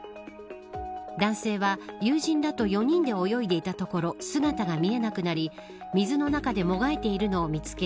男性は友人らと４人で泳いでいたところ姿が見えなくなり水の中でもがいているのを見つけ